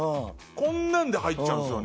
こんなんで入っちゃうんですよね。